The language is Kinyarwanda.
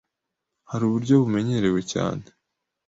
Hari uburyo bumenyerewe cyane